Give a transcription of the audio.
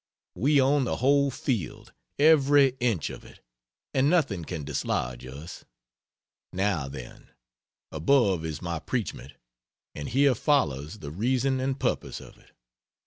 We own the whole field every inch of it and nothing can dislodge us. Now then, above is my preachment, and here follows the reason and purpose of it.